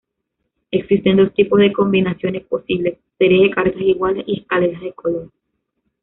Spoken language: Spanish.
Existen dos tipos de combinaciones posibles, series de cartas iguales y escaleras de color.